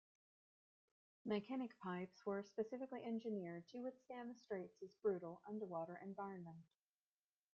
Mackinac pipes were specifically engineered to withstand the Straits' brutal underwater environment.